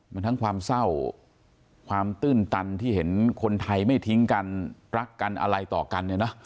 มันทั้งความเศร้าความตื้นตันที่เห็นคนไทยไม่ทิ้งกันรักกันอะไรต่อกันเนี่ยนะ